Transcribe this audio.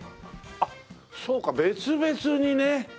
あっそうか別々にね。